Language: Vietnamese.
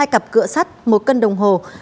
hai cặp cửa sắt một cân đồng hồ